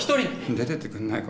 出ていってくんないか？